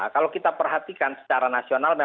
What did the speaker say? kalau kita perhatikan secara nasional